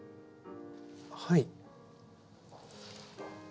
はい。